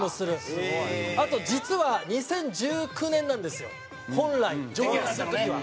あと実は２０１９年なんですよ本来上映する時は。